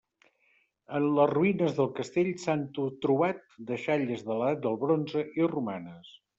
En les ruïnes del castell s'han torbat deixalles de l'Edat del bronze i romanes.